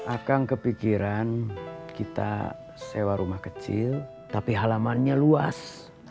akan kepikiran kita sewa rumah kecil tapi halamannya luas